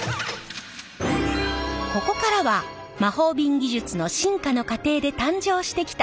ここからは魔法瓶技術の進化の過程で誕生してきた